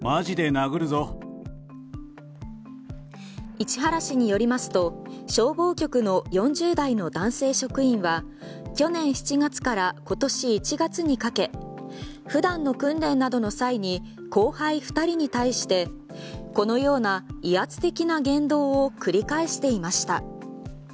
市原市によりますと消防局の４０代の男性職員は去年７月から今年１月にかけ普段の訓練などの際に後輩２人に対してこのような威圧的な言動を繰り返していました。